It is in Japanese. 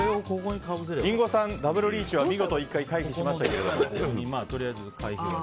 リンゴさん、ダブルリーチは見事１回、回避しましたが。